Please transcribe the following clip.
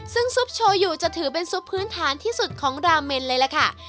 ซึ่งซุปโชยูจะถือเป็นซุปพื้นฐานที่สุดของราเมนเลยล่ะค่ะ